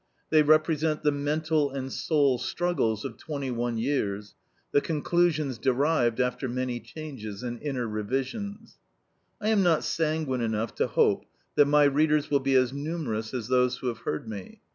They represent the mental and soul struggles of twenty one years, the conclusions derived after many changes and inner revisions. I am not sanguine enough to hope that my readers will be as numerous as those who have heard me.